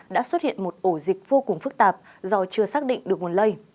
đã xuất hiện một ổ dịch vô cùng phức tạp do chưa xác định được nguồn lây